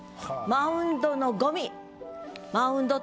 「マウンドのゴミ」。